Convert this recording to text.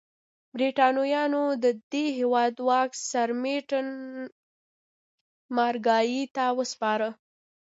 برېټانویانو د دې هېواد واک سرمیلټن مارګای ته وسپاره.